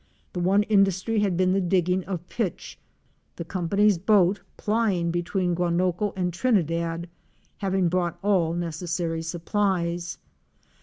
The one industry had been the digging of pitch, the company's boat plying between Guanoco and Trini dad having brought all necessary supplies.